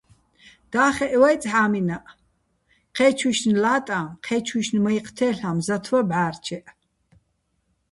და́ხეჸ ვე́წე̆ ჰ̦ა́მინაჸ, ჴე́ჩუჲშნ ლა́ტაჼ, ჴე́ჩუჲშნ მაჲჴი̆ თე́ლ'აჼ მზათ ვა ბჵა́რჩეჸ.